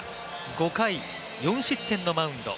５回、４失点のマウンド。